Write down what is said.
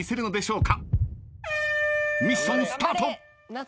ミッションスタート。